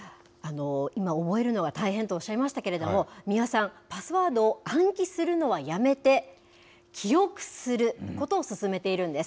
今、覚えるのは大変とおっしゃいましたけど、三輪さん、パスワードを暗記するのはやめて、記録することを勧めているんです。